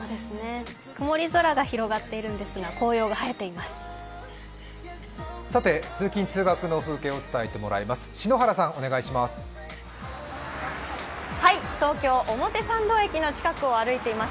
曇り空が広がっているんですが、紅葉が映えています。